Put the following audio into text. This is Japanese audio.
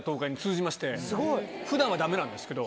普段はダメなんですけど。